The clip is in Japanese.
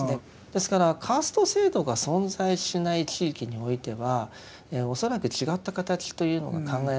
ですからカースト制度が存在しない地域においては恐らく違った形というのが考えられるのではないかと。